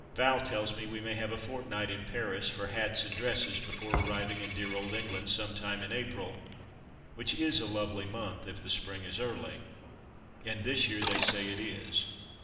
Val tells me we may have a fortnight in Paris, for hats and dresses, before arriving in dear old England some time in April, which is a lovely month, if the spring is early. And this year they say it is."